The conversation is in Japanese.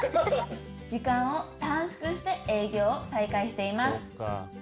時間を短縮して営業を再開しています。